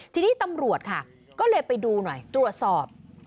ทีนี้ตำรวจค่ะก็เลยไปดูหน่อยตรวจสอบ